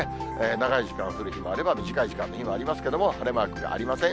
長い時間降る日もあれば、短い時間の日もありますけれども、晴れマークがありません。